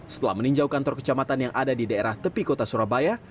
setelah meninjau kantor kecamatan yang ada di daerah tepi kota surabaya